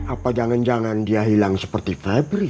apa jangan jangan dia hilang seperti febri